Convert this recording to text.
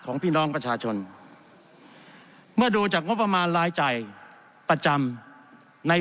พี่น้องประชาชนเมื่อดูจากงบประมาณรายจ่ายประจำใน